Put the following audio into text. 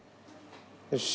よし。